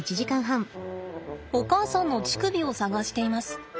お母さんの乳首を探しています。